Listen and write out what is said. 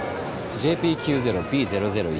ＪＰ９０Ｂ００１